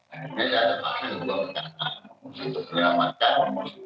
ini saya terpaksa untuk menyelamatkan